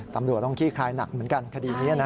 ตำรวจต้องขี้คลายหนักเหมือนกันคดีนี้นะ